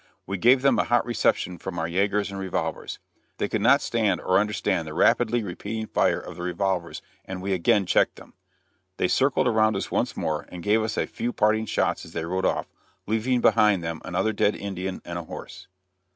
We gave them a hot reception from our yagers and revolvers. They could not stand, or understand, the rapidly repeating fire of the revolvers, and we again checked them. They circled around us once more and gave us a few parting shots as they rode off, leaving behind them another dead Indian and a horse.